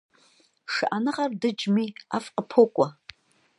Шыӏэныгъэр дыджми, ӏэфӏ къыпокӏуэ.